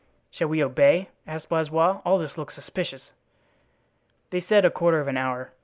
"Shall we obey?" asked Blaisois. "All this looks suspicious." "They said a quarter of an hour.